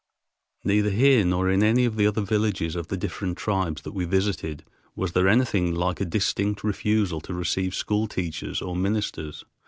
Neither here nor in any of the other villages of the different tribes that we visited was there anything like a distinct refusal to receive school teachers or ministers.